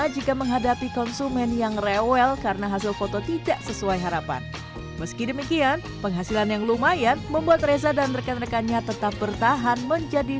jangan lupa like share dan subscribe ya